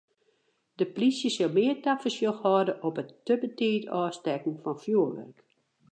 De plysje sil mear tafersjoch hâlde op it te betiid ôfstekken fan fjoerwurk.